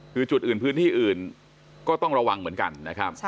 คือจุดอื่นพื้นที่อื่นก็ต้องระวังเหมือนกันนะครับ